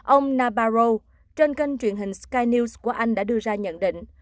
ông nabarro trên kênh truyền hình sky news của anh đã đưa ra nhận định